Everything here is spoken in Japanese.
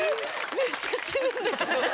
めっちゃ死ぬんだけど！